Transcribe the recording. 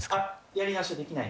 やり直しできない。